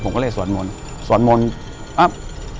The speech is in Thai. อยู่ที่แม่ศรีวิรัยิลครับ